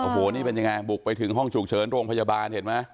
โอ้โหนี่เป็นยังไงบุกไปถึงห้องฉุกเฉินโรงพยาบาลเห็นไหม